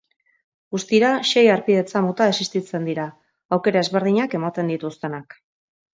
Guztira sei harpidetza mota existitzen dira, aukera ezberdinak ematen dituztenak.